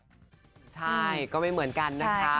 ใช่ก็ไม่เหมือนกันนะคะ